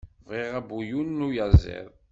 Bɣiɣ abuyun n uyaziḍ.